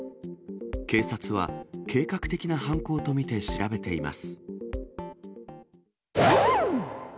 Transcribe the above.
警察は、計画的な犯行と見て調べています。